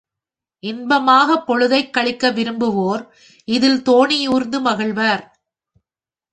இன்பமாகப் பொழுதைக் கழிக்க விரும்புவோர் இதில் தோணியூர்ந்து மகிழ்வார்.